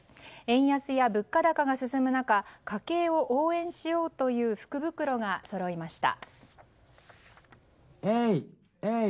円安や物価高が進む中家計を応援しようという福袋がそろいました。